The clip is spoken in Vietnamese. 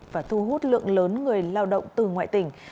và thu hút lượng lớn người lao động từ ngoại tỉnh